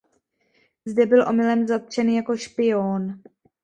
Zde byl omylem zatčen jako špion.